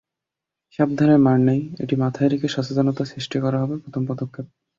সাবধানের মার নেই, এটি মাথায় রেখে সচেতনতা সৃষ্টি করা হবে প্রথম পদক্ষেপ।